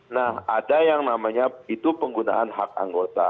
nah ada yang namanya itu penggunaan hak anggota